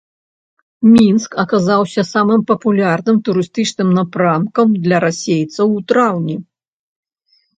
Мінск аказаўся самым папулярным турыстычным напрамкам для расейцаў у траўні.